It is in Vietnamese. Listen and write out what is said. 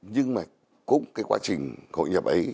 nhưng mà cũng quá trình hội nhập ấy